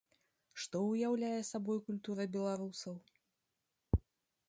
Што ўяўляе сабой культура беларусаў?